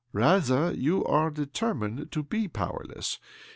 " Rather, you are determined to bt powerless.